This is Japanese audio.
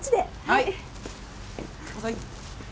はい。